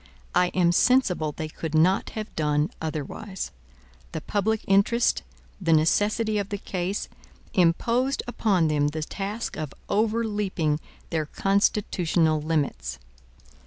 I am sensible they could not have done otherwise. The public interest, the necessity of the case, imposed upon them the task of overleaping their constitutional limits.